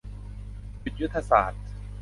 จุดยุทธศาสตร์